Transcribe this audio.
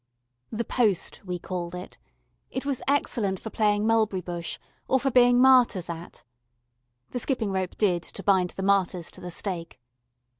"The post," we called it: it was excellent for playing mulberry bush, or for being martyrs at. The skipping rope did to bind the martyrs to the stake.